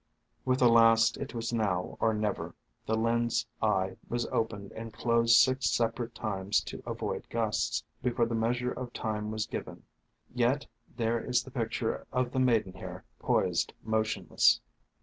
With the last it was now or never! The lens' eye was opened and closed six separate times to avoid gusts, before the measure of time was given. Yet, there is the picture of the Maidenhair poised motionless